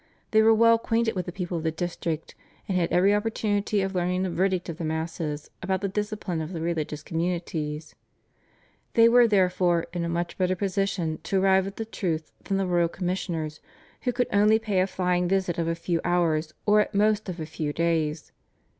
They were well acquainted with the people of the district, and had every opportunity of learning the verdict of the masses about the discipline of the religious communities. They were, therefore, in a much better position to arrive at the truth than the royal commissioners who could only pay a flying visit of a few hours or at most of a few days.